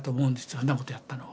そんなことやったのは。